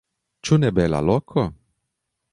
Ĉu ne bela loko?